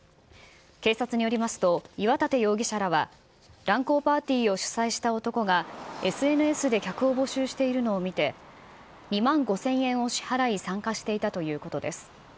警察によりますと、岩立容疑者らは、乱交パーティーを主催した男が、ＳＮＳで客を募集しているのを見て、２万５０００円を支払い、参加していたということです。